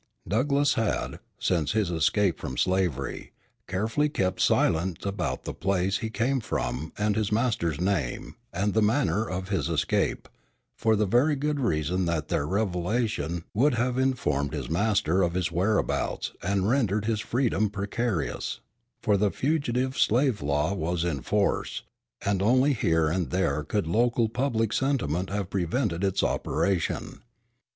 Douglass had, since his escape from slavery, carefully kept silent about the place he came from and his master's name and the manner of his escape, for the very good reason that their revelation would have informed his master of his whereabouts and rendered his freedom precarious; for the fugitive slave law was in force, and only here and there could local public sentiment have prevented its operation.